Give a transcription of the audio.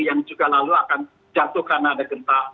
yang juga lalu akan jatuh karena ada gempa